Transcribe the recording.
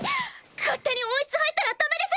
勝手に温室入ったらダメです！